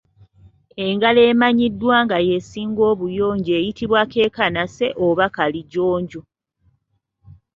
Engalo emanyiddwa nga y’esinga obuyonjo eyitibwa Keekanase oba Kalijjonjo.